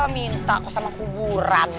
minta kok sama kuburan